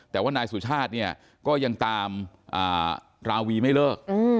แต่ว่านายสุชาติเนี่ยก็ยังตามราวีไม่เลิก